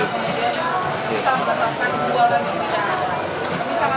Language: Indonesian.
kemudian bisa menetapkan dua lagi tidak ada